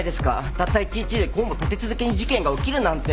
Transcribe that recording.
たった１日でこうも立て続けに事件が起きるなんて。